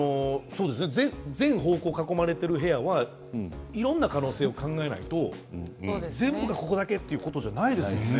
全方向囲まれている部屋はいろんな可能性を考えないと全部がここだけということじゃないですよね。